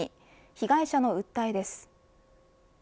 被害者の訴えです。